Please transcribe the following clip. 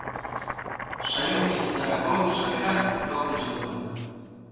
Saio guztietarako sarrera doakoa izango da.